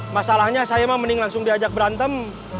masalahnya saya emang mending langsung diajak berantem